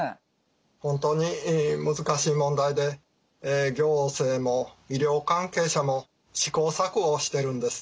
本当に難しい問題で行政も医療関係者も試行錯誤をしてるんです。